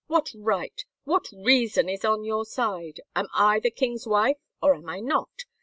What right, what reason is on your side ! Am I the king's wife or am I not?